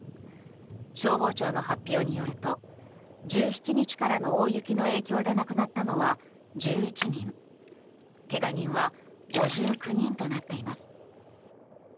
消防庁の発表によると１７日からの大雪の影響で亡くなったのは１１人けが人は５９人となっています。